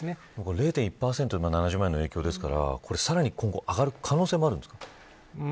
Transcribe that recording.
０．１％で７０万円の影響ですからさらに今後、上がる可能性もあるんですか。